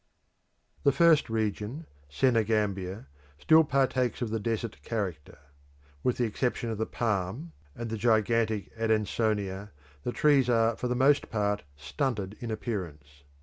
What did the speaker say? The first region, Senegambia, still partakes of the desert character. With the exception of the palm and the gigantic Adansonia, the trees are for the most part stunted in appearance.